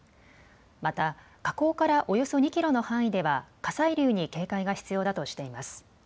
また火口からおよそ２キロの範囲では火砕流に警戒が必要だとしています。